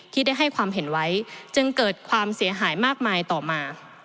ที่ได้ให้ความเห็นไว้จึงเกิดความเสียหายมากมายต่อมา